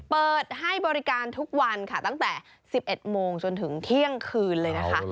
เปิดให้บริการทุกวันค่ะตั้งแต่๑๑โมงจนถึงเที่ยงคืนเลยนะคะ